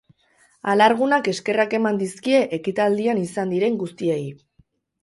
Alargunak eskerrak eman dizkie ekitaldian izan diren guztiei.